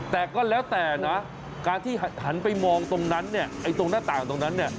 แต่ก็แล้วแต่นะการที่หันไปมองตรงนั้นตรงหน้าต่างตรงนั้น